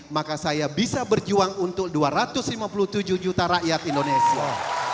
maka saya bisa berjuang untuk dua ratus lima puluh tujuh juta rakyat indonesia